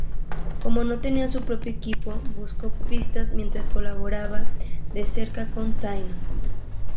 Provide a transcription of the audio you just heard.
Como no tenía su propio equipo busco pistas mientras colaboraba de cerca con Taiyo.